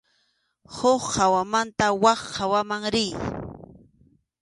Huk hawamanta wak hawaman riy.